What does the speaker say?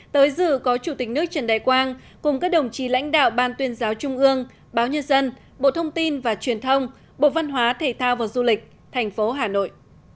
tới dự có chủ tịch nước trần đại quang cùng các đồng chí lãnh đạo ban tuyên giáo trung ương báo nhân dân bộ thông tin và truyền thông bộ văn hóa thể thao và du lịch thành phố hà nội